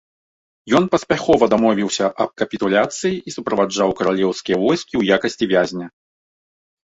Ён паспяхова дамовіўся аб капітуляцыі і суправаджаў каралеўскія войскі ў якасці вязня.